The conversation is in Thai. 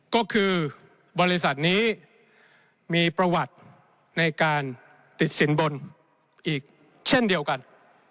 ก็คือบริษัทนี้มีประวัติในการติดสินบนอีกเช่นเดียวกัน